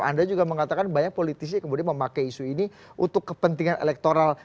anda juga mengatakan banyak politisi kemudian memakai isu ini untuk kepentingan elektoral